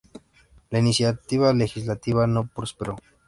La iniciativa legislativa no prosperó.